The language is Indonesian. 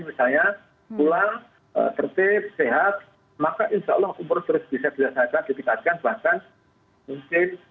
misalnya pulang tertib sehat maka insya allah umroh terus bisa dilaksanakan ditingkatkan bahkan mungkin